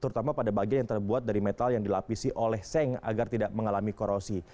terutama pada bagian yang terbuat dari metal yang dilapisi oleh seng agar tidak mengalami korosi